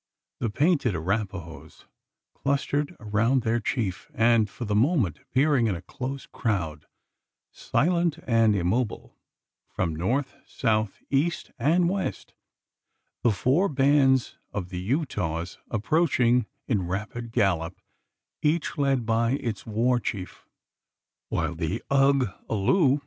The painted Arapahoes clustered around their chief, and for the moment appearing in a close crowd, silent and immobile: from north, south, east, and west, the four bands of the Utahs approaching in rapid gallop, each led by its war chief; while the "Ugh! aloo!"